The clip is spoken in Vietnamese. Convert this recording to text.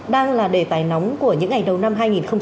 đang là đề tài nóng của những ngày đầu năm hai nghìn hai mươi